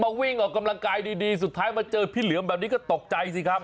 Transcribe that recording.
วิ่งออกกำลังกายดีสุดท้ายมาเจอพี่เหลือมแบบนี้ก็ตกใจสิครับ